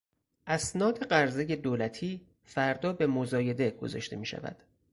اسناد قرضهی دولتی فردا به مزایده گذاشته میشود.